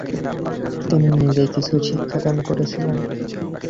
তিনি নিজেই কিছু শিক্ষাদান করেছিলেন।